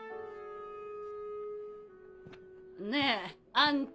ねぇあんた。